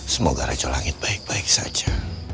semoga raja langit baik baik saja